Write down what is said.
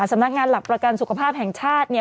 สำนักงานหลักประกันสุขภาพแห่งชาติเนี่ย